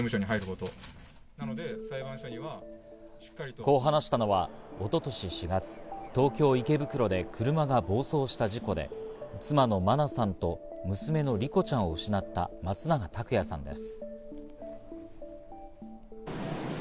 こう話したのは一昨年４月、東京・池袋で車が暴走した事故で、妻の真菜さんと娘の莉子ちゃんを失った松永拓也さんです。